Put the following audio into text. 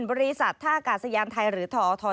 บริษัทท่ากาศยานไทยหรือทอท